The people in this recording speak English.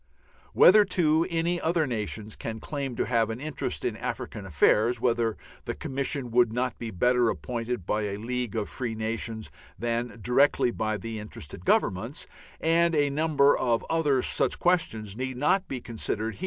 Whether, too, any other nations can claim to have an interest in African affairs, whether the Commission would not be better appointed by a League of Free Nations than directly by the interested Governments, and a number of other such questions, need not be considered here.